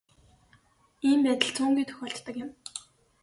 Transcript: Ийм байдал цөөнгүй тохиолддог юм.